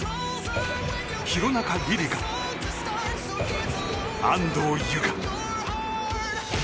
廣中璃梨佳、安藤友香。